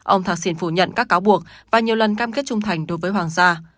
ông thạc sỉn phủ nhận các cáo buộc và nhiều lần cam kết trung thành đối với hoàng gia